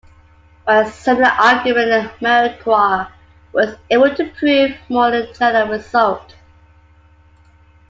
By a similar argument, Melchior was able to prove a more general result.